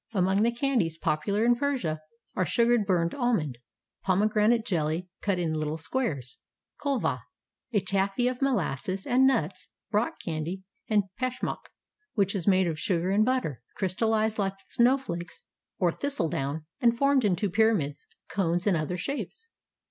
Among the candies popular in Persia are sugared burned almond, pomegranate jelly cut in little squares, khulva, a taffy of molasses and nuts, rock candy, and peshmak, which is made of sugar and butter, crystallized like snowflakes or thistledown, and formed into pyramids, cones, and other shapes.